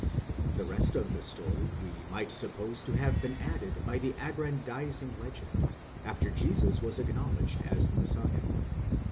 The rest of the story we might suppose to have been added by the aggrandizing legend, after Jesus was acknowledged as the Messiah.